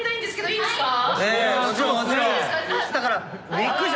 いいですか？